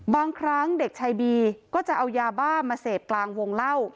บางครั้งเด็กชายบีก็จะเอายาบ้ามาเสพกลางวงเล่า